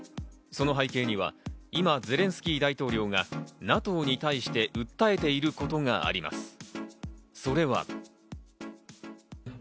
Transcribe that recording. その背景には今、ゼレンスキー大統領がＮＡＴＯに対して訴えていることがあります。